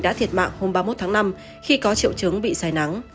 đã thiệt mạng hôm ba mươi một tháng năm khi có triệu chứng bị say nắng